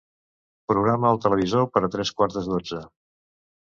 Programa el televisor per a tres quarts de dotze.